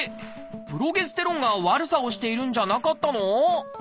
プロゲステロンが悪さをしているんじゃなかったの？